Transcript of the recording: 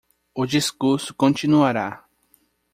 O discurso continuará.